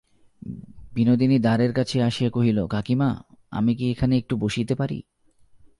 বিনোদিনী দ্বারের কাছে আসিয়া কহিল, কাকীমা, আমি কি এখানে একটু বসিতে পারি।